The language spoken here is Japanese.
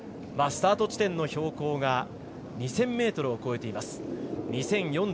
スタート地点の標高が２０００ｍを越えています。